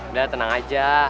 udah tenang aja